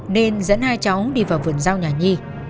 nên dẫn hai cháu đi vào vườn giao nhà nhi